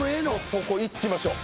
そこいきましょう